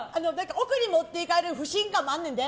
奥に持っていかれる不信感もあんねんで。